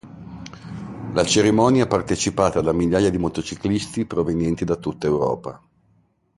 La cerimonia è partecipata da migliaia di motociclisti provenienti da tutta Europa.